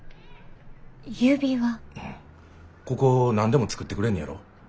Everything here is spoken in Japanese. ここ何でも作ってくれんねやろ？